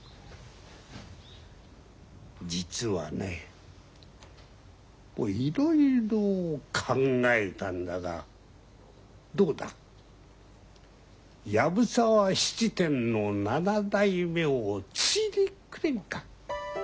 実はねいろいろ考えたんだがどうだろう藪沢質店の７代目を継いでくれんか？